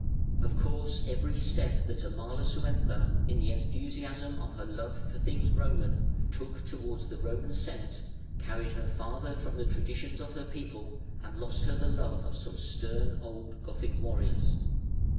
Of course every step that Amalasuentha, in the enthusiasm of her love for things Roman, took towards the Roman Senate carried her farther from the traditions of her people, and lost her the love of some stern old Gothic warriors.